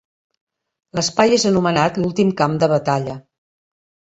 L'espai és anomenat l'últim camp de batalla.